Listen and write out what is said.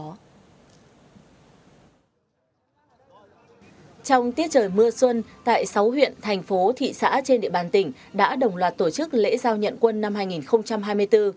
trong tiết trời mưa xuân tại sáu huyện thành phố thị xã trên địa bàn tỉnh đã đồng loạt tổ chức lễ giao nhận quân năm hai nghìn hai mươi bốn